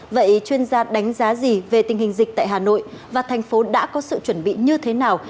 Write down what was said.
vậy chuyên gia đánh giá gì về tình hình dịch tại hà nội và thành phố đã có sự chuẩn bị như thế nào